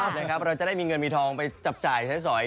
เราจะได้มีเงินมีทองไปจับจ่ายใช้สอย